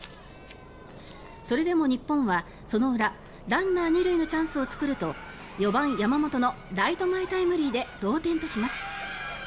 それでも日本は、その裏ランナー２塁のチャンスを作ると４番、山本のライト前タイムリーで同点とします。